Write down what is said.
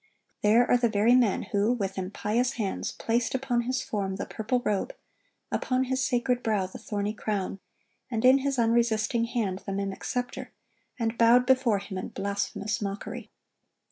There are the very men who with impious hands placed upon His form the purple robe, upon His sacred brow the thorny crown, and in His unresisting hand the mimic scepter, and bowed before Him in blasphemous mockery.